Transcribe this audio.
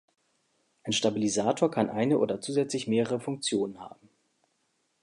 Ein Stabilisator kann eine oder zusätzlich mehrere Funktionen haben.